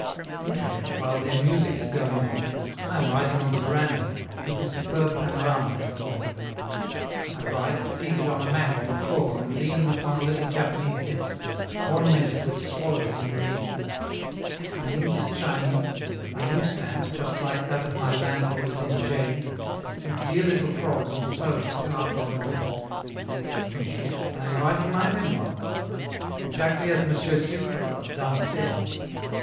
Usually, while their music is going on, I am writing on the veranda, with the superb panorama before me. I write, seated on a mat on the floor and leaning upon a little Japanese desk, ornamented with swallows in relief; my ink is Chinese, my inkstand, just like that of my landlord, is in jade, with dear little frogs and toads carved on the rim. In short, I am writing my memoirs, exactly as M. Sucre does downstairs!